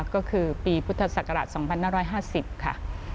ก็คือปีพุทธศักราช๒๕๕๐ค่ะ